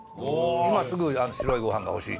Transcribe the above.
今すぐ白いご飯が欲しい。